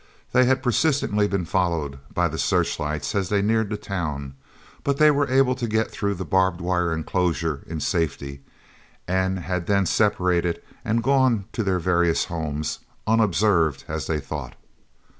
They had persistently been followed by the searchlights as they neared the town, but they were able to get through the barbed wire enclosure in safety and had then separated and gone to their various homes, unobserved as they thought.